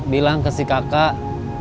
bilang ke si kakak